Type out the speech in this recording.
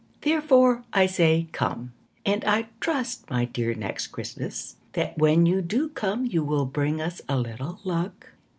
Therefore, I say "Come," And I trust, my dear Next Christmas, That when you do come You will bring us a little luck.